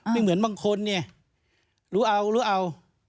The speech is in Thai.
ไม่เหมือนบางคนเนี่ยรู้เอารู้เอา